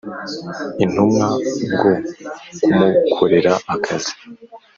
Intumwa bwo kumukorera akazi